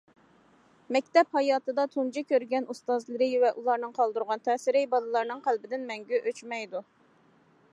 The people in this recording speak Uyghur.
مەكتەپ ھاياتىدا، تۇنجى كۆرگەن ئۇستازلىرى ۋە ئۇلارنىڭ قالدۇرغان تەسىرى، بالىلارنىڭ قەلبىدىن مەڭگۈ ئۆچمەيدۇ.